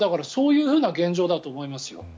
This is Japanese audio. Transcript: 今、そういうふうな現状だと思いますよ。